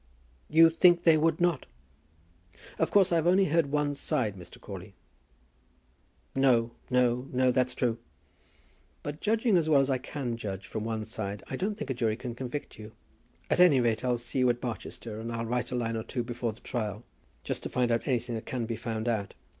"You think they would not?" "Of course I've only heard one side, Mr. Crawley." "No, no, no, that is true." "But judging as well as I can judge from one side, I don't think a jury can convict you. At any rate I'll see you at Barchester, and I'll write a line or two before the trial, just to find out anything that can be found out.